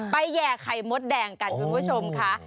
แห่ไข่มดแดงกันคุณผู้ชมค่ะ